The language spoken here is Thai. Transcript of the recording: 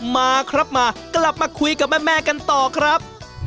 มาครับมากลับมาคุยกับแม่กันต่อครับ